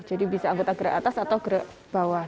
jadi bisa anggota gerak atas atau gerak bawah